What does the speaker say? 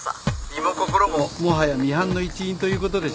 身も心ももはやミハンの一員ということでしょう。